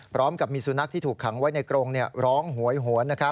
พร้อมกับมีสุนัขที่ถูกขังไว้ในกรงร้องหวยหวน